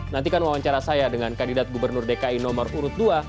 nantikan wawancara saya dengan kandidat gubernur dki nomor urut dua